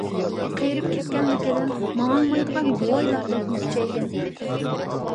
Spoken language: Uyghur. قېرىپ كەتكەنلىكىدىن ماڭالمايدىغان بوۋايلاردەك مۈكچەيگەن.